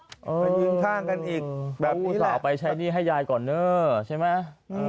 ไปยืนทางกันอีกแบบนี้แหละเอาไปใช้หนี้ให้ยายก่อนเนอะใช่ไหม